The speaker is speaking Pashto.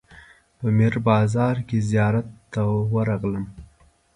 په میر بازار کې زیارت ته ورغلم.